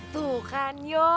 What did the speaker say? tuh kan yo